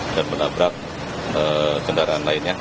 dan menabrak kendaraan lainnya